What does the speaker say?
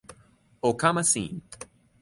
o kama sin.